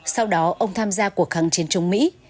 sau đó ông tham gia cuộc kháng chiến chống mỹ